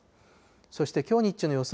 そしてきょう日中の予想